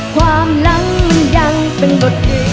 ความหลังมันยังเป็นบทดี